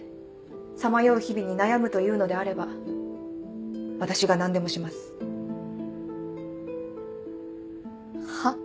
さまよう日々に悩むというのであれば私が何でもしますはっ？